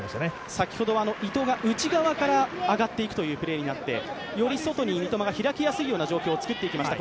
先ほどは伊藤が内側から上がっていくというところがありましてより外に三笘が開きやすいような状況を作っていきました。